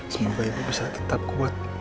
semoga ibu bisa tetap kuat